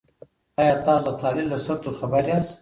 آیا تاسو د تحلیل له سطحو خبر یاست؟